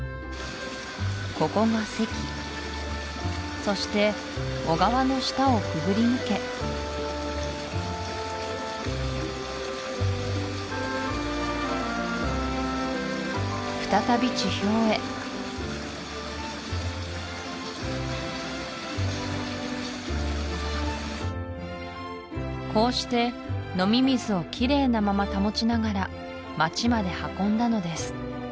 ここが堰そして小川の下をくぐり抜け再び地表へこうして飲み水をきれいなまま保ちながら街まで運んだのです